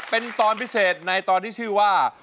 เป็นตอนพิเศษในตอนที่ชื่อว่า